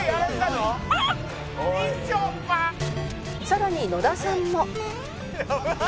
さらに野田さんも